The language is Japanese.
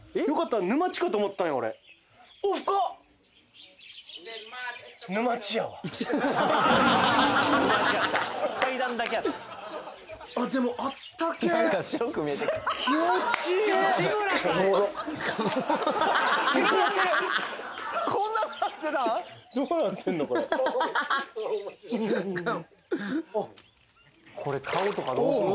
ははははっこれ顔とかどうすんの？